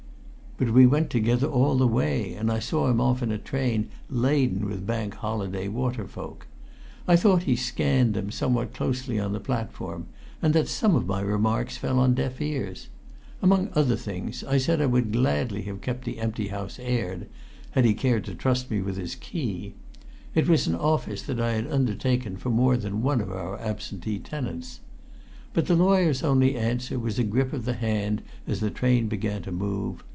But we went together all the way, and I saw him off in a train laden with Bank Holiday water folk. I thought he scanned them somewhat closely on the platform, and that some of my remarks fell on deaf ears. Among other things, I said I would gladly have kept the empty house aired, had he cared to trust me with his key. It was an office that I had undertaken for more than one of our absentee tenants. But the lawyer's only answer was a grip of the hand as the train began to move.